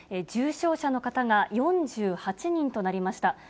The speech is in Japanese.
重症者の方が４８人となりました。